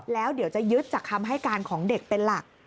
แล้วเดี๋ยวจะยึดจากคำให้การของเด็กเป็นหลัก